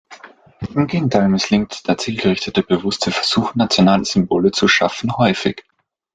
Im Gegenteil misslingt der zielgerichtete bewusste Versuch, nationale Symbole zu schaffen, häufig.